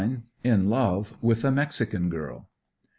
IN LOVE WITH A MEXICAN GIRL.